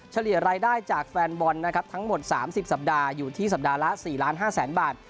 เฉลี่ยรายได้จากแฟนบอลนะครับทั้งหมด๓๐สัปดาห์อยู่ที่สัปดาห์ละ๔ล้าน๕แสนบาท